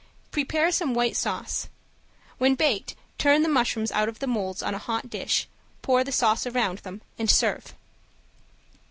Prepare some white sauce; when baked turn the mushrooms out of the molds on a hot dish, pour the sauce around them, and serve.